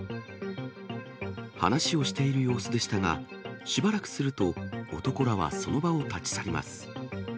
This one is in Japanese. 話をしている様子でしたが、しばらくすると、男らはその場を立ち去ります。